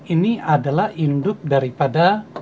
ini adalah induk daripada